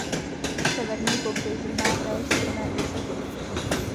Severní pobřeží má též strmé úseky.